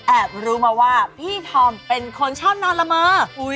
๑แอบรู้มาว่าพี่ธอมเป็นคนชอบนอนลำอ